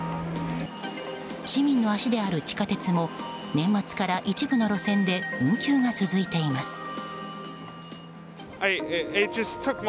市民の足である地下鉄も年末から一部の路線で運休が続いています。